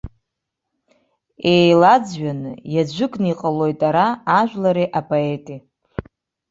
Еилаӡҩаны, иаӡәыкны иҟалоит ара ажәлари апоети.